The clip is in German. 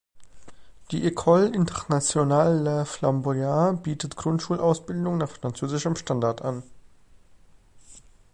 Die Ecole International Le Flamboyant bietet Grundschulausbildung nach französischem Standard an.